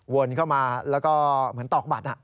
วนเข้ามาแล้วก็เหมือนตอกบัตร